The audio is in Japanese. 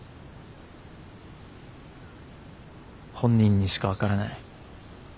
本人にしか分からない。